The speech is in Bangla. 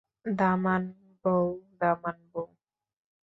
দামান বও, দামান বও।